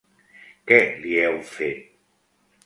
Què li heu fet?